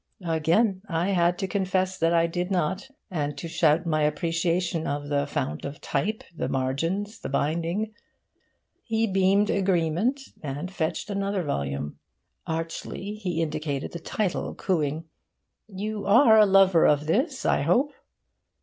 Again I had to confess that I did not, and to shout my appreciation of the fount of type, the margins, the binding. He beamed agreement, and fetched another volume. Archly he indicated the title, cooing, 'You are a lover of this, I hope?